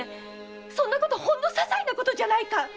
〔そんなことほんの些細なことじゃないか！〕